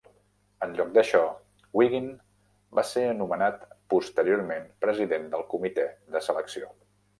En lloc d'això, Wiggin va ser nomenat posteriorment president del Comitè de Selecció.